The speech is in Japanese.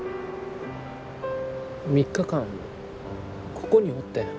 ３日間ここにおってん。